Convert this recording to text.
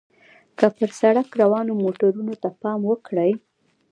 که پر سړک روانو موټرو ته پام وکړئ.